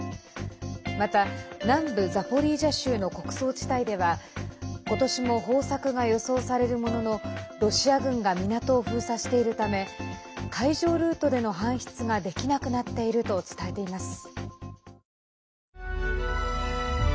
また、南部ザポリージャ州の穀倉地帯ではことしも豊作が予想されるもののロシア軍が港を封鎖しているため海上ルートでの搬出ができなくなっていると伝えています。